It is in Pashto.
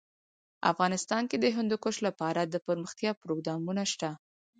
افغانستان کې د هندوکش لپاره دپرمختیا پروګرامونه شته.